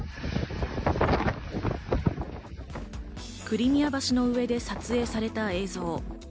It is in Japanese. クリミア橋の上で撮影された映像。